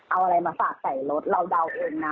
เอาอะไรมาฝากใส่รถเราเดาเองนะ